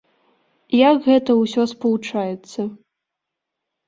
Як гэта ўсё спалучаецца?